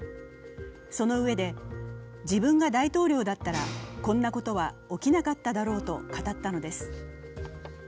そのうえで自分が大統領だったらこんなことは起きなかっただろうと語ったのです。